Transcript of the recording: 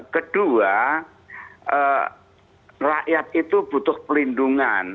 kedua rakyat itu butuh pelindungan